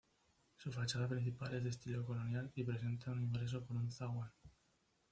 Su fachada principal es de estilo colonial, y presenta un ingreso por un zaguán.